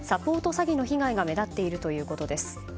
詐欺の被害が目立っているということです。